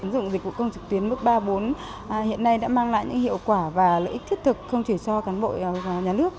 dịch vụ công trực tuyến mức độ bốn hiện nay đã mang lại những hiệu quả và lợi ích thiết thực không chỉ cho cán bộ và nhà nước